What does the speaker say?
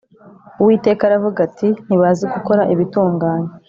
Uwiteka aravuga ati “Ntibazi gukora ibitunganye